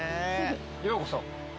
ようこそ。